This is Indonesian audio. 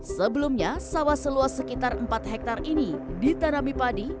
sebelumnya sawah seluas sekitar empat hektare ini ditanami padi